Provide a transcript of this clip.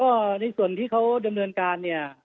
ก็ในส่วนที่เขาดำเนินการเนี่ย